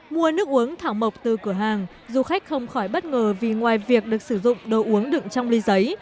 mua nước uống thảo mộc từ cửa hàng du khách không khỏi bất ngờ vì ngoài việc được sử dụng đồ uống đựng trong ly giấy